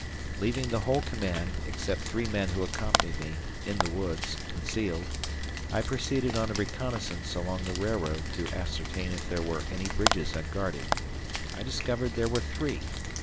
Leaving the whole command, except three men who accompanied me, in the woods, concealed, I proceeded on a reconnaissance along the railroad to ascertain if there were any bridges unguarded. I discovered there were three.